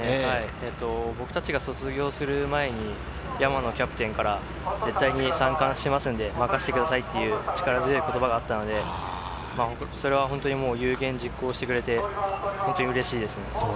僕たちが卒業する前に、山野キャプテンから絶対に３冠しますので任せてくださいという力強い言葉があったので、本当に有言実行してくれて嬉しいですね。